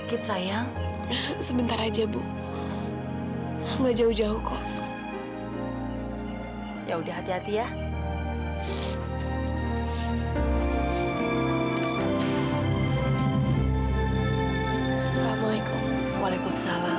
karena bapak itu adalah